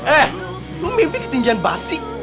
eh lo mimpi ketinggian batsi